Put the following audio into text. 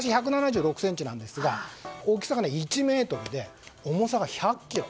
私、１７６ｃｍなんですが大きさが１ｍで重さが１００ｋｇ。